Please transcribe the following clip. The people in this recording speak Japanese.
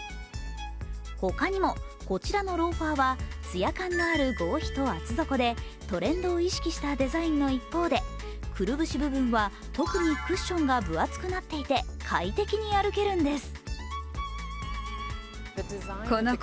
ほかにも、こちらのローファーはつや感のある合皮と厚底でトレンドを意識したデザインの一方でくるぶし部分は特にクッションが分厚くなっていて、快適に歩けるんです。